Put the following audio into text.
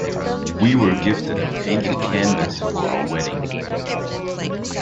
We were gifted a painted canvas for our wedding.